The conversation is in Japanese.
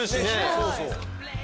そうそう。